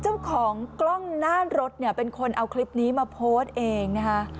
เจ้าของกล้องหน้ารถเนี่ยเป็นคนเอาคลิปนี้มาโพสต์เองนะคะ